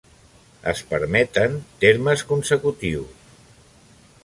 Es permeten termes consecutius.